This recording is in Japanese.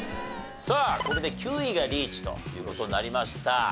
さあこれで９位がリーチという事になりました。